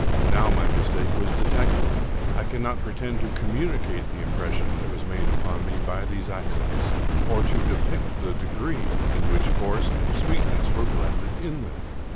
Now my mistake was detected. I cannot pretend to communicate the impression that was made upon me by these accents, or to depict the degree in which force and sweetness were blended in them.